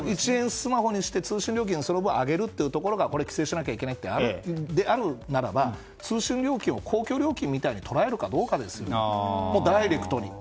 スマホにして通信料金をその分、上げないといけないというのを規制しないといけないならば通信料金を公共料金みたいに捉えるかどうかですよダイレクトに。